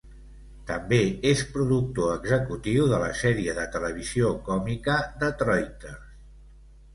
També és productor executiu de la sèrie de televisió còmica "Detroiters".